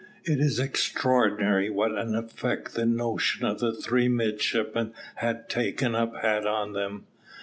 It is extraordinary what an effect the notion the three midshipmen had taken up had on them.